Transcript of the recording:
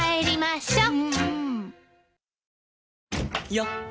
よっ！